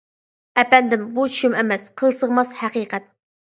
ئەپەندىم، بۇ چۈشۈم ئەمەس، قىل سىغماس ھەقىقەت!